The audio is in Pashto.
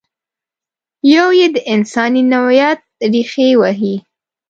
یو یې د انساني نوعیت ریښې وهي.